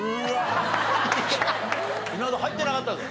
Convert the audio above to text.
稲田入ってなかったぞ。